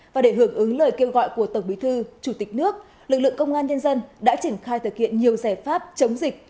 và để hưởng ứng lời kêu gọi của tổng bí thư chủ tịch nước lực lượng công an nhân dân đã triển khai thực hiện nhiều giải pháp chống dịch